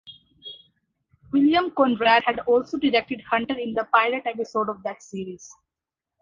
William Conrad had also directed Hunter in the pilot episode of that series.